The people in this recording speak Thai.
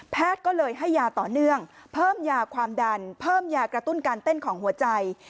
ก็เลยให้ยาต่อเนื่องเพิ่มยาความดันเพิ่มยากระตุ้นการเต้นของหัวใจ